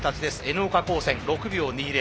Ｎ岡高専６秒２０。